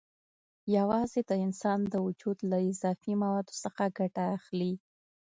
یوازې د انسان د وجود له اضافي موادو څخه ګټه اخلي.